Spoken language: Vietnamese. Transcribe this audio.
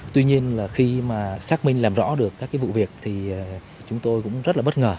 tuy nhiên là khi mà xác minh làm rõ được các cái vụ việc thì chúng tôi cũng rất là bất ngờ